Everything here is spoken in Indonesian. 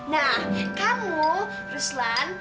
nah kamu ruslan